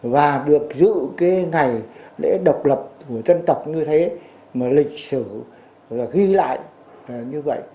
và được giữ cái ngày lễ độc lập của dân tộc như thế mà lịch sử là ghi lại như vậy